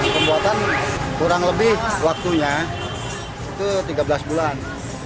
pembuatan kurang lebih waktunya itu tiga belas bulan